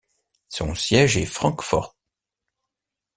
Son siège est Frankfort.